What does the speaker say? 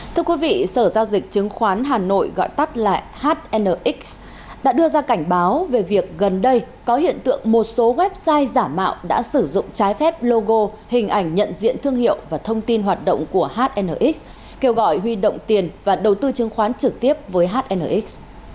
thưa quý vị sở giao dịch chứng khoán hà nội gọi tắt là hnx đã đưa ra cảnh báo về việc gần đây có hiện tượng một số website giả mạo đã sử dụng trái phép logo hình ảnh nhận diện thương hiệu và thông tin hoạt động của hnx kêu gọi huy động tiền và đầu tư chứng khoán trực tiếp với hnx